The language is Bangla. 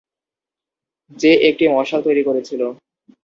যে একটি মশাল তৈরী করেছিল।